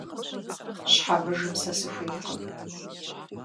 Щхьэмыжым сэ сыхуейкъым.